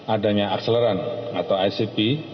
adanya akseleran atau icp